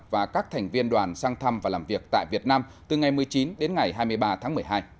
và các thành viên đoàn sang thăm và làm việc tại việt nam từ ngày một mươi chín đến ngày hai mươi ba tháng một mươi hai